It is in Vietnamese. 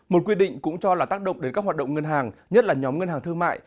một quy định cũng cho là tác động đến các hoạt động ngân hàng nhất là nhóm ngân hàng thương mại